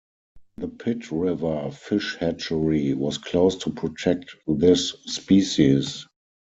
The Pit River Fish Hatchery was closed to protect this species.